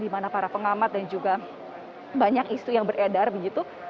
di mana para pengamat dan juga banyak isu yang beredar begitu